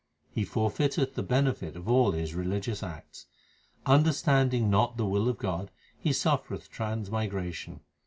He forfeiteth the benefit of all his religious acts. Understanding not the will of God, he suffereth trans migration.